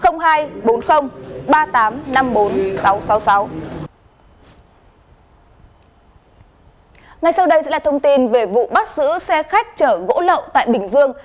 ngay sau đây sẽ là thông tin về vụ bắt giữ xe khách chở gỗ lậu tại bình dương